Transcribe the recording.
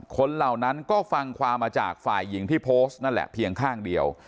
เหล่านั้นก็ฟังความมาจากฝ่ายหญิงที่โพสต์นั่นแหละเพียงข้างเดียว